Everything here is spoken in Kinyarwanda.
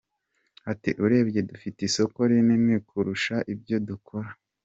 Ati “Urebye dufite isoko rinini kurusha ibyo dukora.